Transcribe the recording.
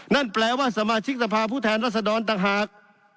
นั่นแปลว่าสมาชิกสภาพผู้แทนรัศดรต่างหาก